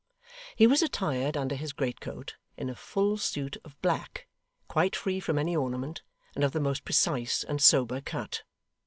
He was attired, under his greatcoat, in a full suit of black, quite free from any ornament, and of the most precise and sober cut.